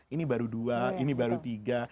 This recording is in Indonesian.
ini baru dua ini baru tiga